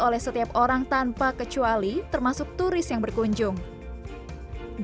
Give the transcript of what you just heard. oleh setiap orang tanpa keadaan saya berharap ini akan menjadi keuntungan yang sangat penting